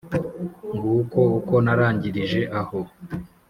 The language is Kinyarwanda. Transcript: nguko uko narangirije aho. ”